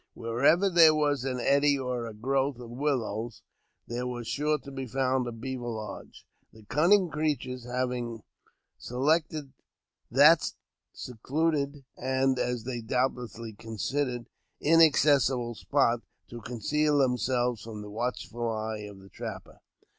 Wherever there was an eddy or a growth of willows, there was sure to be found a beaver lodge ; the cunning creatures having selected that secluded, and, as they doubtless considered, inac cessible spot, to conceal themselves from the watchful eye of the trapper.